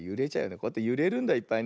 こうやってゆれるんだいっぱいね。